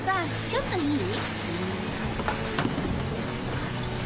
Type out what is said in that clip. ちょっといい？